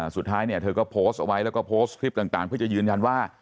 สุดท้ายเนี่ยเธอก็โพสต์เอาไว้แล้วก็โพสต์คลิปต่างเพื่อจะยืนยันว่า